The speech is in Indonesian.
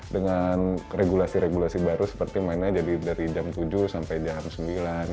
dengan regulasi regulasi baru seperti mainnya jadi dari jam tujuh sampai jam sembilan